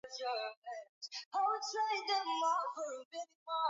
Moi alidumisha urais kwa kuchaguliwa bila kupingwa katika chaguzi